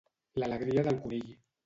L'alegria del conill.